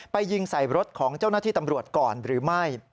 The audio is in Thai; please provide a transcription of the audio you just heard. ยิงใส่รถของเจ้าหน้าที่ตำรวจก่อนหรือไม่